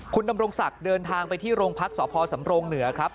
คุณดำรงศักดิ์เดินทางไปที่โรงพักษพสำรงเหนือครับ